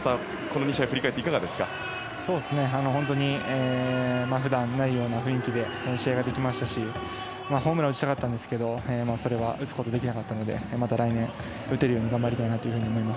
この２試合を振り返って普段ないような雰囲気で試合ができましたしホームランを打ちたかったんですけどそれは打つことができなかったのでまた来年、打てるように頑張りたいなと思います。